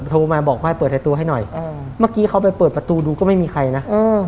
โทรมาบอกว่าให้เปิดหายตัวให้หน่อยเมื่อกี้เขาไปเปิดประตูดูก็ไม่มีใครนะ